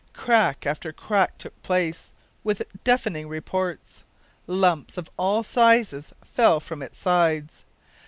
Crack after crack took place, with deafening reports. Lumps of all sizes fell from its sides.